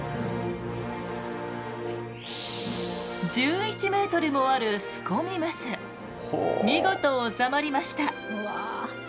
１１ｍもあるスコミムス見事収まりました。